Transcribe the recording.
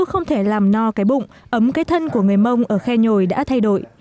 không thể làm no cái bụng ấm cái thân của người mông ở khe nhồi đã thay đổi